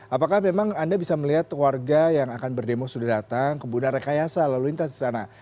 apakah memang anda bisa melihat warga yang akan berdemo sudah datang kemudian rekayasa lalu lintas di sana